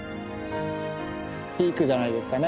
ピークじゃないですかね